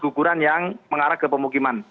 guguran yang mengarah ke pemukiman